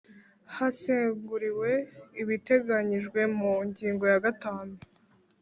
Haseguriwe ibiteganyijwe mu ngingo ya gatanu